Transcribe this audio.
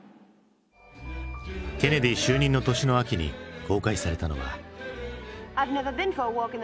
ケネディ就任の年の秋に公開されたのは。